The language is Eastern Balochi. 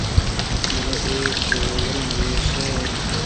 بلے اے شِیواریں میش ئے اَت